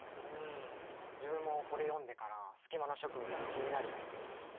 自分もこれ読んでからスキマの植物が気になるようになりました。